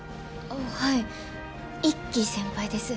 はい１期先輩です。